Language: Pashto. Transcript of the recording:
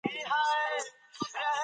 دا ريښې له لرغونو تمدنونو سره تړاو لري.